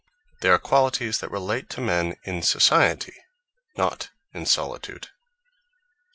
They are Qualities, that relate to men in Society, not in Solitude.